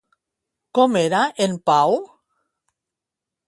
Com era en Pau?